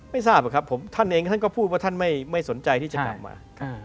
ไม่ทราบหรอกครับผมท่านเองท่านก็พูดว่าท่านไม่สนใจที่จะกลับมา